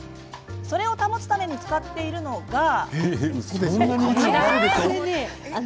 それを保つために使っているのがこちら。